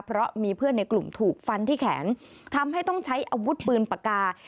เพราะมีเพื่อนในกลุ่มถูกฟันที่แขนทำให้ต้องใช้อาวุธปืนปากกา